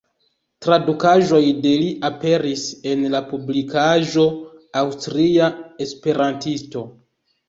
Tradukaĵoj de li aperis en la publikaĵo "Aŭstria Esperantisto".